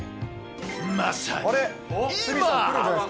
まさに今。